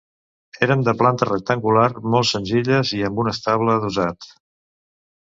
Eren de planta rectangular, molt senzilles, i amb un estable adossat.